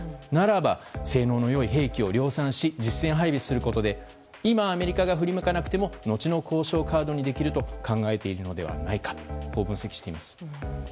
ならば、性能の良い兵器を量産し、実戦配備することで今アメリカが振り向かなくても後の交渉カードにできると考えているのではないかこう分析しています。